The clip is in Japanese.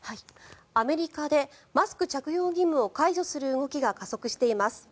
アメリカでマスク着用義務を解除する動きが加速しています。